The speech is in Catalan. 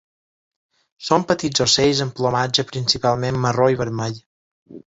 Són petits ocells amb plomatge principalment marró i vermell.